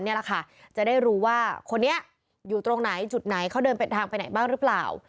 นี่แหละค่ะจะได้รู้ว่าคนนี้อยู่ตรงไหนจุดไหนเขาเดินเป็นทางไปไหนบ้างหรือเปล่า